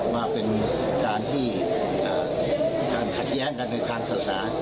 ว่าเป็นการที่ขัดแย้งกันในทางศาสนา